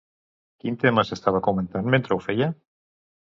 Quin tema s'estava comentant, mentre ho feia?